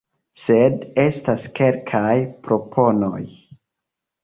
Sed estas kelkaj proponoj;